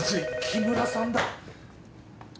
木村さんだ。